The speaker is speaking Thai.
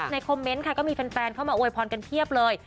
คอมเมนต์ค่ะก็มีแฟนเข้ามาอวยพรกันเพียบเลย